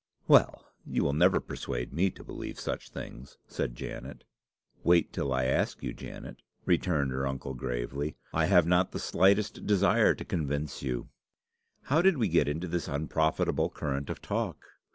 "Well, you will never persuade me to believe such things," said Janet. "Wait till I ask you, Janet," returned her uncle, gravely. "I have not the slightest desire to convince you. How did we get into this unprofitable current of talk?